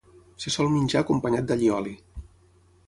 Se sol menjar acompanyat d'allioli.